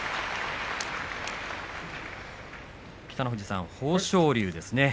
北の富士さん、豊昇龍ですね。